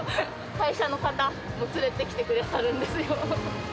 会社の方を連れてきてくださるんですよ。